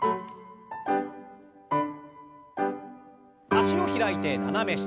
脚を開いて斜め下。